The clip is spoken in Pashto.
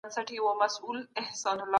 د درملو نسخه پوره کړئ.